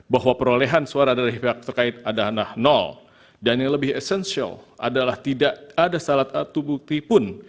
bahwa perolehan suara dari pihak terkait adalah nol dan yang lebih esensial adalah tidak ada salah satu bukti pun